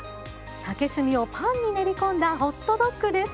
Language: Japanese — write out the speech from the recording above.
竹炭をパンに練り込んだホットドッグです。